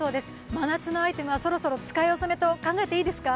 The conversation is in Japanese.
真夏のアイテムはそろそろ使いおさめと考えていいですか？